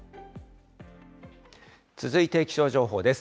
続いて気象情報です。